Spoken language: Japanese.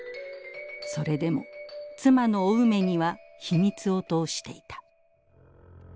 それでも妻のお梅には秘密を通していた。